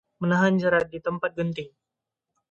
Menahan jerat ditempat genting